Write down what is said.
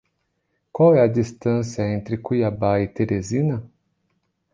Qual é a distância entre Cuiabá e Teresina?